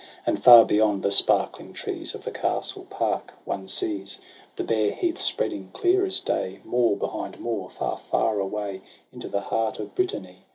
And far beyond the sparkling trees Of the castle park one sees The bare heaths spreading, clear as day, Moor behind moor, far, far away, Into the heart of Brittany.